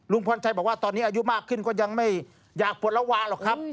พรชัยบอกว่าตอนนี้อายุมากขึ้นก็ยังไม่อยากปลดละวาหรอกครับ